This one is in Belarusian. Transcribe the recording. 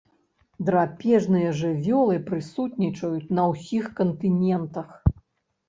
Драпежныя жывёлы прысутнічаюць на ўсіх кантынентах.